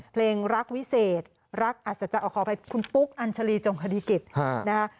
เพลงรักวิเศษรักอัศจรรย์เอาขอไปคุณปุ๊กอัญชลีจงศรีจิตนะคะ